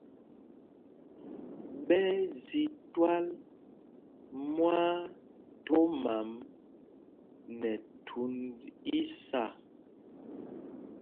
Ɓɛ́ ɛ́ zi twǎl mwaathɔm ām nɛ thund isâ.